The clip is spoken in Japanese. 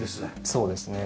そうですね。